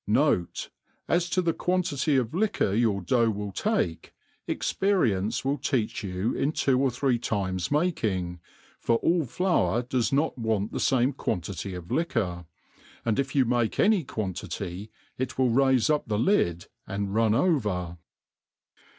Note, As to the quantity of liquor your dough will take, experience will teach you in two or three times making, for all flour does not want the fame quantity of liquor ; and if you make any quantity, it will raife up the lid and run over.